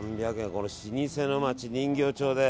この老舗の街、人形町で。